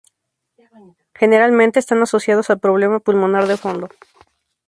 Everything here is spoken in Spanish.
Generalmente están asociados al problema pulmonar de fondo.